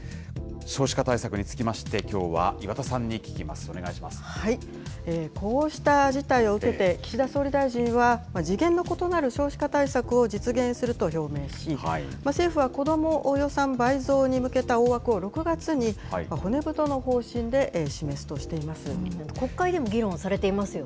少子化対策につきまして、きょうは岩田さんに聞きます、お願いしこうした事態を受けて、岸田総理大臣は、次元の異なる少子化対策を実現すると表明し、政府は、子ども予算倍増に向けた大枠を６月に骨太の方針で示すとしていま国会でも議論されていますよ